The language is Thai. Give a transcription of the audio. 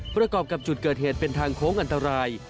ประกอบกับจุดเกิดเหตุเป็นทางโค้งอันตราย